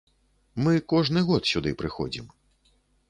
Мы кожны год сюды прыходзім.